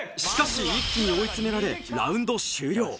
しかし一気に追い詰められラウンド終了